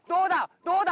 どうだ？